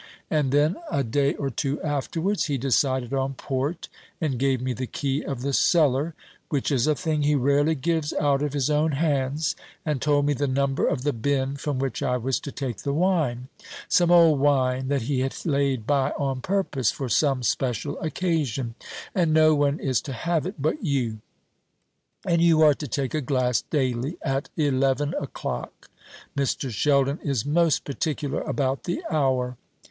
And then a day or two afterwards he decided on port, and gave me the key of the cellar which is a thing he rarely gives out of his own hands and told me the number of the bin from which I was to take the wine some old wine that he had laid by on purpose for some special occasion; and no one is to have it but you, and you are to take a glass daily at eleven o'clock. Mr. Sheldon is most particular about the hour.